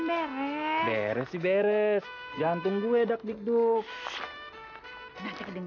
beres beres beres jantung gue dakdikduk kedengeran babi ya